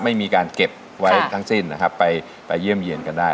ไม่มีการเก็บไว้ทั้งสิ้นนะครับไปเยี่ยมเยี่ยนกันได้